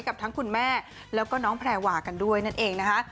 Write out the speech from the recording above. กับทั้งคุณแม่แล้วก็น้องแพรวากันด้วยนั่นเองนะคะ